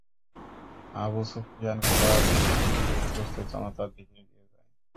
Abu Sufyan ঘোড়া ঘুরিয়ে উপস্থিত জনতার দিকে এগিয়ে যায়।